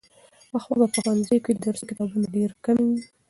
پخوا به په ښوونځیو کې د درسي کتابونو ډېر کمی و.